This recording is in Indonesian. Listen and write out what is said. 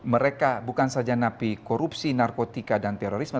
mereka bukan saja napi korupsi narkotika dan terorisme